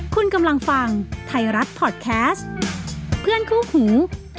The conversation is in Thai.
คุณกำลังฟังไทยรัฐพอร์ตแคสต์เพื่อนคู่หู